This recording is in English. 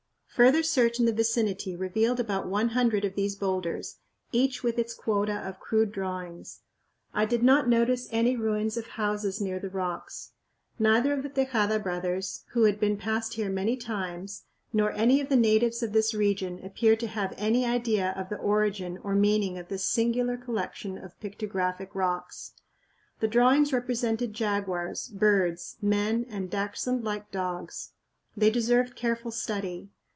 Further search in the vicinity revealed about one hundred of these boulders, each with its quota of crude drawings. I did not notice any ruins of houses near the rocks. Neither of the Tejada brothers, who had been past here many times, nor any of the natives of this region appeared to have any idea of the origin or meaning of this singular collection of pictographic rocks. The drawings represented jaguars, birds, men, and dachshund like dogs. They deserved careful study.